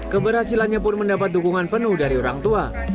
keberhasilannya pun mendapat dukungan penuh dari orang tua